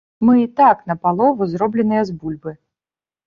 Мы і так напалову зробленыя з бульбы.